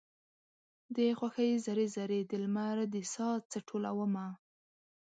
د خوښۍ ذرې، ذرې د لمر د ساه څه ټولومه